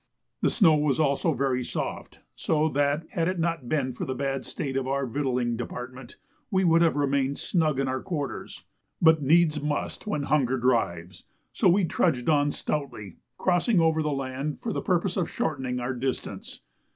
The snow also was very soft, so that, had it not been for the bad state of our victualling department, we would have remained snug in our quarters. But needs must when hunger drives, so we trudged on stoutly, crossing over the land for the purpose of shortening our distance.